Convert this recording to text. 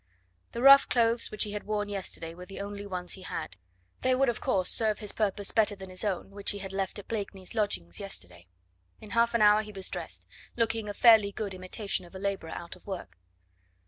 The rough clothes which he had worn yesterday were the only ones he had. They would, of course, serve his purpose better than his own, which he had left at Blakeney's lodgings yesterday. In half an hour he was dressed, looking a fairly good imitation of a labourer out of work.